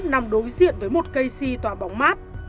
nằm đối diện với một cây si tòa bóng mát